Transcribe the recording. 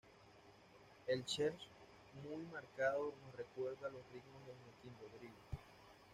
El "scherzo", muy marcado, nos recuerda los ritmos de Joaquín Rodrigo.